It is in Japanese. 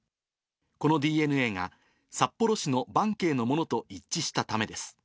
このＤＮＡが、札幌市の盤渓のものと一致したためです。